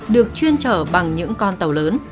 được chuyên trở bằng những con tàu lớn